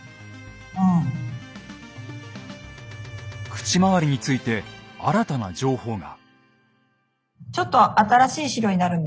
口周りについて新たな情報が。